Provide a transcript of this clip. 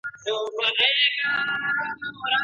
سا د ښار ټولي کوڅې وي د رقیب لښکر نیولي